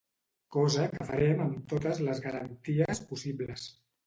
Cosa que farem amb totes les garanties possibles.